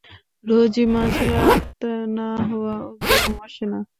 রোজই মাঝরাত না হওয়া অবধি ঘুম আসে না।